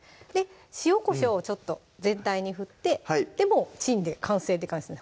塩・こしょうをちょっと全体に振ってでもうチンで完成って感じですね